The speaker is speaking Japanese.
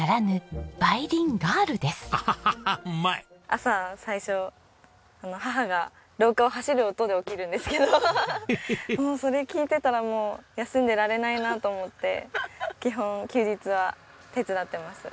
朝最初母が廊下を走る音で起きるんですけどもうそれ聞いていたら休んでいられないなと思って基本休日は手伝ってます。